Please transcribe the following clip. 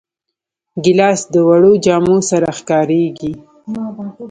ګیلاس د وړو جامو سره ښکارېږي.